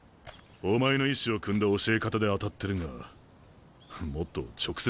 お前の意思をくんだ教え方で当たってるがもっと直接的なアドバイスを。